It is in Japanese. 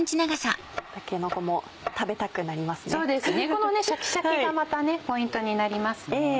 このシャキシャキがまたポイントになりますね。